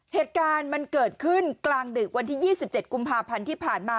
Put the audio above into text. เหตุการณ์มันเกิดขึ้นกลางดึกวันที่๒๗กุมภาพันธ์ที่ผ่านมา